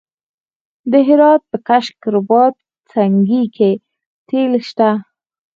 د هرات په کشک رباط سنګي کې تیل شته.